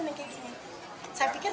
saya pikir saya pindah